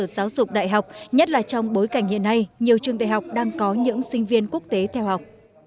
và như thế này nhiều trường đại học đang có những sinh viên quốc tế theo học